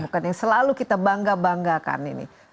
bukan yang selalu kita bangga banggakan ini